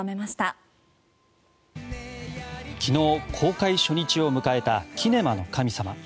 昨日、公開初日を迎えた「キネマの神様」。